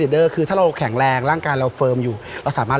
พี่กำลังจะเอาใจช่วยว่าเยอะไป